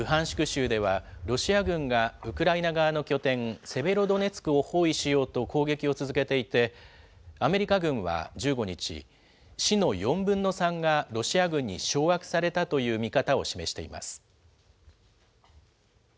州では、ロシア軍がウクライナ側の拠点、セベロドネツクを包囲しようと攻撃を続けていて、アメリカ軍は１５日、市の４分の３がロシア軍に掌握されたという見方を示しています。